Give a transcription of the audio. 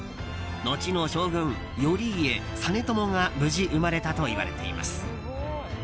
後の将軍の頼家、実朝が無事生まれたといわれています。